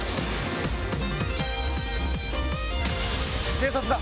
警察だ！